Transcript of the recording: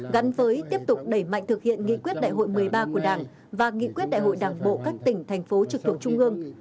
gắn với tiếp tục đẩy mạnh thực hiện nghị quyết đại hội một mươi ba của đảng và nghị quyết đại hội đảng bộ các tỉnh thành phố trực thuộc trung ương